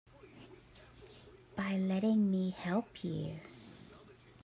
By letting me help you.